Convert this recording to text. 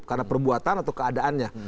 karena perbuatan atau keadaannya